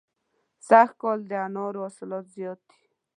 سږ کال د انارو حاصلات زیات دي.